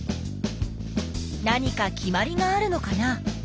何か決まりがあるのかな？